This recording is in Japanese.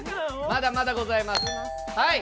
まだまだございます。